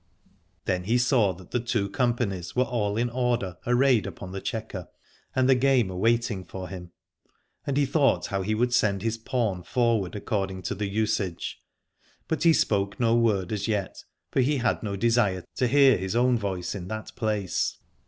Then he saw that the two companies were all in order arrayed upon the chequer, and the game awaiting for him : and he thought how he would send his pawn forward accord ing to the usage, but he spoke no word as yet, for he had no desire to hear his own voice in that place.